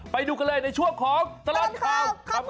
ไปดูกันเลยในช่วงของตลอดข่าว